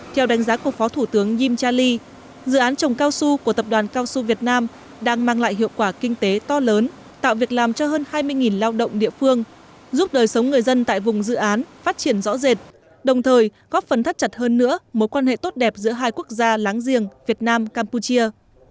theo đánh giá của phó thủ tướng gim cha ly dự án trồng cao su của tập đoàn cao su việt nam đang mang lại hiệu quả kinh tế to lớn tạo việc làm cho hơn hai mươi lao động địa phương giúp đời sống người dân tại vùng dự án phát triển rõ rệt đồng thời góp phần thắt chặt hơn nữa mối quan hệ tốt đẹp giữa hai quốc gia láng giềng việt nam campuchia